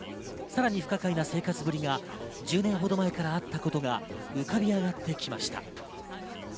さらに不可解な生活ぶりが１０年ほど前からあったことが浮かび上がってきました。